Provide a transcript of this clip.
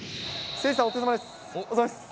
誠さん、お疲れさまです。